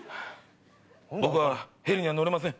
僕はヘリには乗れません。